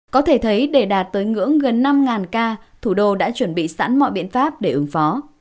có thể thấy để đạt tới ngưỡng gần năm ca thủ đô đã chuẩn bị sẵn mọi biện pháp để ứng phó